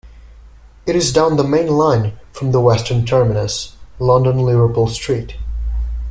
It is down the main line from the western terminus, London Liverpool Street.